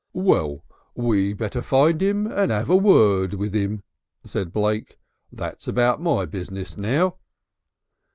"Well, we better find 'im and 'ave a word with 'im," said Blake. "That's about my business now."